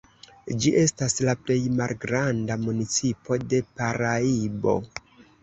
Ĝi estas la plej malgranda municipo de Paraibo.